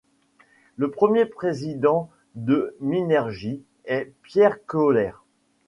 Le premier président de Minergie est Pierre Kohler.